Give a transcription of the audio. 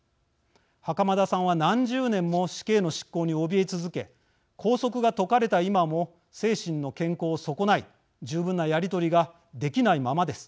袴田さんは何十年も死刑の執行におびえ続け拘束が解かれた今も精神の健康を損ない十分なやり取りができないままです。